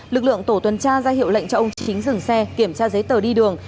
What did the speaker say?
lực lượng tổ tuần tra ra hiệu lệnh cho ông chính dừng xe kiểm tra giấy tờ đi đường